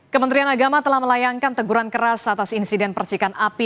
kementerian agama telah melayangkan teguran keras atas insiden percikan api